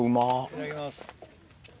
いただきます。